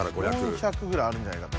４００ぐらいあるんじゃないかと。